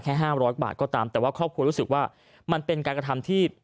ห้ามร้อยบาทก็ตามแต่ว่าครอบครัวรู้สึกว่ามันเป็นการกระทำที่